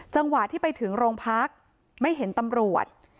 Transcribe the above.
จังหวะที่ไปถึงโรงพักไม่เห็นตำรวจ